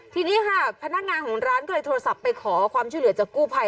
ทีนี้ค่ะพนักงานของร้านก็เลยโทรศัพท์ไปขอความช่วยเหลือจากกู้ภัย